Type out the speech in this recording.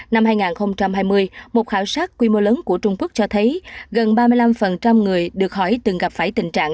năm hai nghìn hai mươi một khảo sát quy mô lớn của trung quốc cho thấy gần ba mươi năm người được hỏi từng gặp phải tình trạng